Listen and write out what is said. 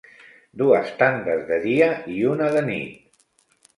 Dues tandes de dia i una de nit.